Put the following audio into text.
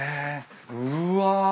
うわ。